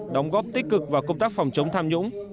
đóng góp tích cực vào công tác phòng chống tham nhũng